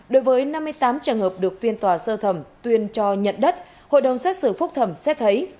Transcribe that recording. đối với năm mươi tám trường hợp được phiên tòa sơ thẩm tuyên cho nhận đất hội đồng xét xử phúc thẩm xét thấy